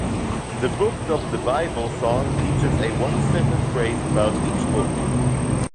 The Books of the Bible song teaches a one-sentence phrase about each book